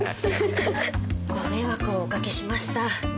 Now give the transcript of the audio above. ご迷惑をお掛けしました。